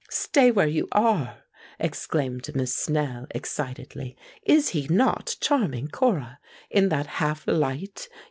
"Stay where you are!" exclaimed Miss Snell, excitedly. "Is he not charming, Cora, in that half light?